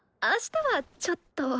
あしたはちょっと。